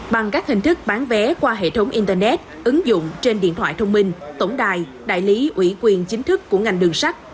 bằng các hình thức bán vé qua hệ thống internet ứng dụng trên điện thoại thông minh tổng đài đại lý ủy quyền chính thức của ngành đường sắt